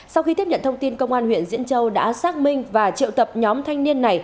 sau khi tiếp nhận thông tin công an huyện diễn châu đã xác minh và triệu tập nhóm thanh niên này